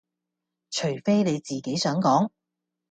除非你自己想講